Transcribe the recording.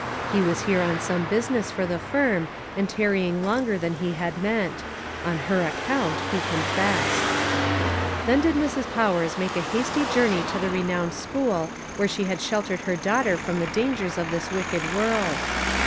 He wsis here on some busi ness for the firm, and tarrying longer than he had meant; on her account, he confessed. Then did Mrs. Powers make a hasty journey to the renowned school where she had sheltered her daughter from the dangers of this wicked world.